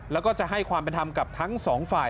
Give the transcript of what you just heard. แล้วก็จะให้ความเป็นธรรมกับทั้งสองฝ่าย